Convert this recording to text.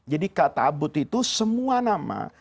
jadi kata ta'abud itu semua nama